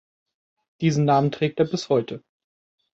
Diesen Namen trägt er bis heute.